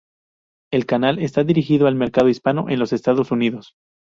El canal está dirigido al mercado hispano en los Estados Unidos.